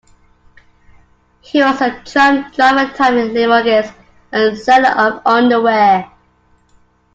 He was a tram driver time in Limoges and seller of underwear.